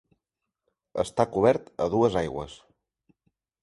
Està cobert a dues aigües.